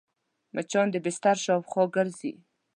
مچان د بستر شاوخوا ګرځي